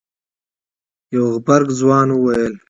يو غبرګ ځوان وويل.